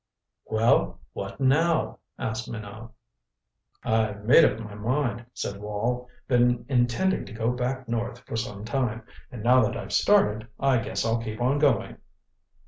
"Well what now?" asked Minot. "I've made up my mind," said Wall. "Been intending to go back north for some time, and now that I've started, I guess I'll keep on going."